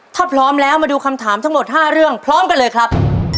ถ้าพร้อมแล้วมาดูคำถามทั้งหมด๕เรื่องพร้อมกันเลยครับ